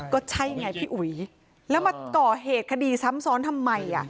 ก็ใช่ไงพี่อุ๋ยแล้วมาก่อเหตุคดีซ้ำซ้อนทำไม